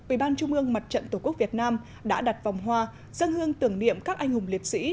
ubnd mặt trận tổ quốc việt nam đã đặt vòng hoa dân hương tưởng niệm các anh hùng liệt sĩ